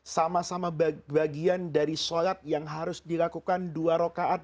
sama sama bagian dari sholat yang harus dilakukan dua rokaat